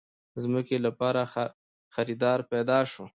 د ځمکې لپاره خريدار پېدا شو.